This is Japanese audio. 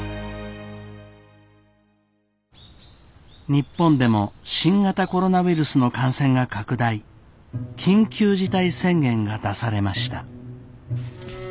日本でも新型コロナウイルスの感染が拡大緊急事態宣言が出されました。